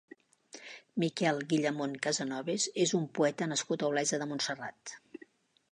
Miquel Guillamón Casanovas és un poeta nascut a Olesa de Montserrat.